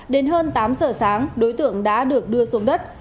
đến hơn tám giờ sáng đối tượng đã được đưa xuống đất